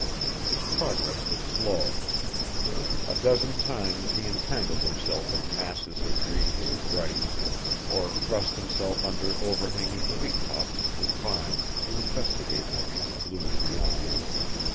His progress was slow. A dozen times he entangled himself in masses of reeds and rice, or thrust himself under over hanging tree tops and vines to investigate the deeper gloom beyond.